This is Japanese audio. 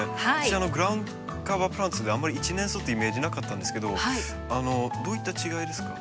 私グラウンドカバープランツではあんまり１年草ってイメージなかったんですけどどういった違いですか？